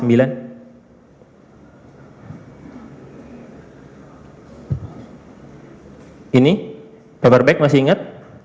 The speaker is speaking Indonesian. ini paper bag masih ingat